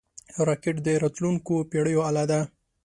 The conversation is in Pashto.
راکټ د راتلونکو پېړیو اله ده